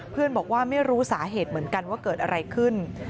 บอกว่าไม่รู้สาเหตุเหมือนกันว่าเกิดอะไรขึ้น